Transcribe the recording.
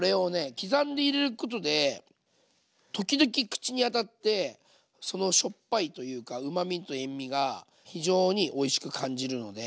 刻んで入れることで時々口に当たってしょっぱいというかうまみと塩みが非常においしく感じるので。